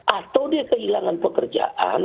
atau dia kehilangan pekerjaan